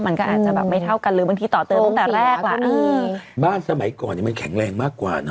มันก็อาจจะแบบไม่เท่ากันหรือบางทีต่อเติมตั้งแต่แรกล่ะเออบ้านสมัยก่อนเนี้ยมันแข็งแรงมากกว่าเน